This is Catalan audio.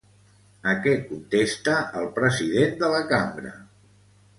A què contesta el president de la Cambra?